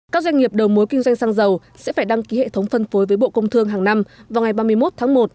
các doanh nghiệp đầu mối kinh doanh xăng dầu sẽ phải đăng ký hệ thống phân phối với bộ công thương hàng năm vào ngày ba mươi một tháng một